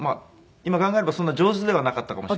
今考えればそんな上手ではなかったかもしれないです。